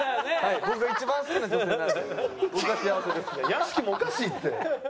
屋敷もおかしいって。